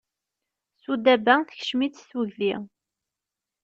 Sudaba tekcem-itt tugdi.